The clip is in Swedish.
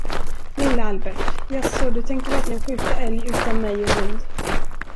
Lille Albert, jaså, du tänker verkligen skjuta älg utan mig och hund?